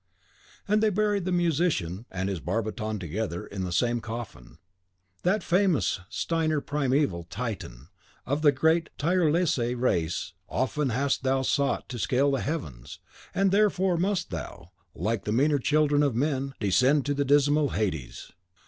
And they buried the musician and his barbiton together, in the same coffin. That famous Steiner primeval Titan of the great Tyrolese race often hast thou sought to scale the heavens, and therefore must thou, like the meaner children of men, descend to the dismal Hades!